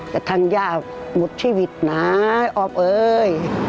กระทั่งย่าหมดชีวิตนะอ๊อบเอ้ย